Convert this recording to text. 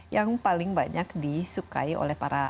yang paling banyak disukai oleh para